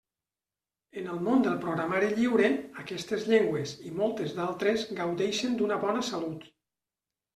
En el món del programari lliure, aquestes llengües, i moltes d'altres, gaudeixen d'una bona salut.